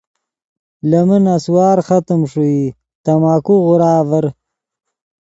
لے من نسوار ختم ݰوئے تماکو غورا آڤر